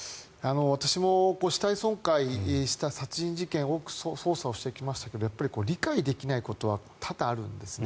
私も死体損壊した殺人事件多く捜査をしてきましたが理解できないことは多々あるんですね。